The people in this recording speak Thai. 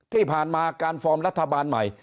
ที่ผ่านมาการฟอร์มรัฐบาลใหม่